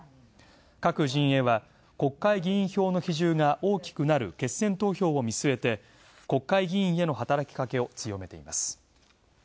各陣営は、国会議員票の比重が大きくなる決選投票を見据えて国会議員への働きかけを強めています。